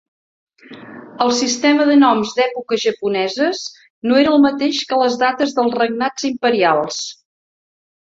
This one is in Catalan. El sistema de noms d'èpoques japoneses no era el mateix que les dates dels regnats imperials.